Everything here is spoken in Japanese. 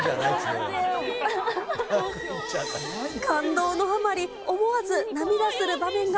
感動のあまり、思わず涙する場面が。